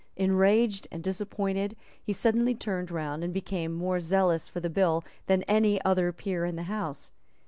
Enraged and disappointed, he suddenly turned round, and became more zealous for the bill than any other peer in the House.